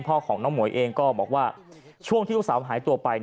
พ่อของน้องหมวยเองก็บอกว่าช่วงที่ลูกสาวหายตัวไป